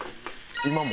今も？